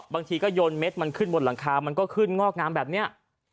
บางทีก็โยนเม็ดมันขึ้นบนหลังคามันก็ขึ้นงอกงามแบบนี้